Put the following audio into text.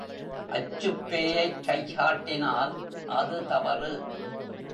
அச்சுப் பேயைக் கைகாட்டினல், அது தவறு!